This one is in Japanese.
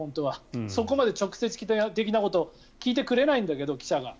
そこまで直接的なことを聞いてくれないんだけど記者が。